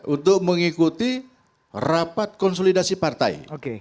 untuk mengikuti rapat konsolidasi partai